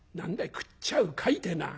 『食っちゃうかい？』てのは。